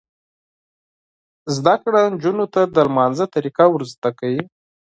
زده کړه نجونو ته د لمانځه طریقه ور زده کوي.